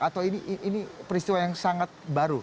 atau ini peristiwa yang sangat baru